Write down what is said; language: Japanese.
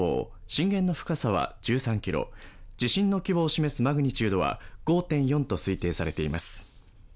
震源の深さは１３ｋｍ、地震の規模を示すマグニチュードは５．４と推定されています。